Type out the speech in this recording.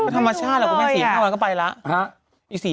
ธรรมชาติหล่ะก็เป็น๔๕วันก็ไปแล้ว